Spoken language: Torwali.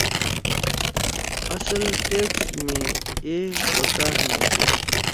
اصل ٹیکسٹ میں ”اے“ پکار نہ تُھو۔